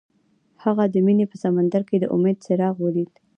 هغه د مینه په سمندر کې د امید څراغ ولید.